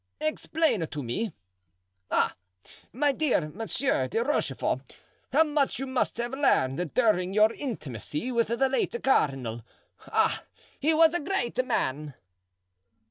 explain to me. Ah! my dear Monsieur de Rochefort, how much you must have learned during your intimacy with the late cardinal! Ah! he was a great man."